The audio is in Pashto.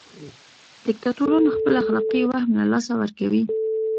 دیکتاتوران خپل اخلاقي وهم له لاسه ورکوي.